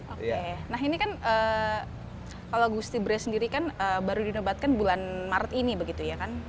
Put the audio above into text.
oke nah ini kan kalau gusti bra sendiri kan baru dinobatkan bulan maret ini begitu ya kan